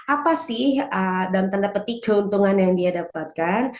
apa sih dalam tanda petik keuntungan yang dia dapatkan